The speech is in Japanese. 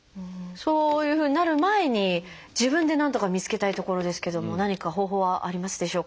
そういうふうになる前に自分でなんとか見つけたいところですけども何か方法はありますでしょうか？